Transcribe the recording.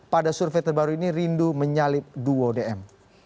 pada survei terbaru ini rindu menyalip duo dm